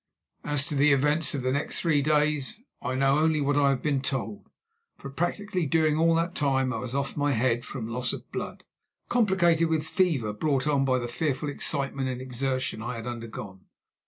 As to the events of the next three days I know only what I have been told, for practically during all that time I was off my head from loss of blood, complicated with fever brought on by the fearful excitement and exertion I had undergone.